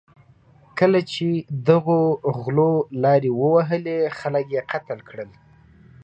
کله چې دغو غلو لارې ووهلې، خلک یې قتل کړل.